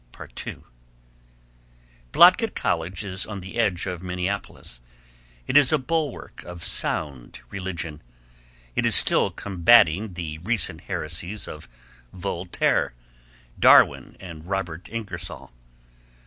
II Blodgett College is on the edge of Minneapolis. It is a bulwark of sound religion. It is still combating the recent heresies of Voltaire, Darwin, and Robert Ingersoll.